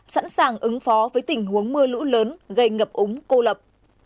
sẵn sàng ứng phó với tình huống mưa lũ lớn gây ngập úng cô lập